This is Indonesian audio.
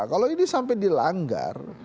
kalau ini sampai dilanggar